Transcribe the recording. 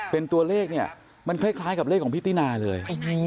เป็นตัวเลขเนี่ยมันคล้ายกับเลขของพี่ตินาเลย